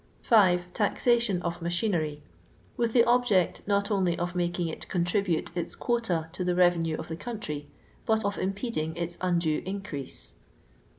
5. Taxation of machinery; with the object, not only of making it contribute its quota to the revenue of the country, but of im peding its undue increase.